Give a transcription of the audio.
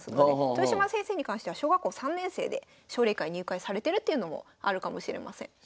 豊島先生に関しては小学校３年生で奨励会入会されてるっていうのもあるかもしれません。